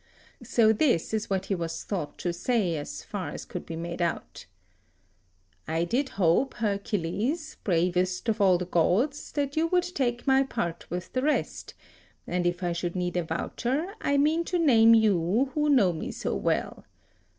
So this is what he was thought to say, as far as could be made out: "I did hope, Hercules, bravest of all the gods, that you would take my part with the rest, and if I should need a voucher, I meant to name you who know me so well.